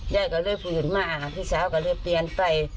แล้วก็เลยคนม่าพี่สาวก็คือเปลี่ยนไป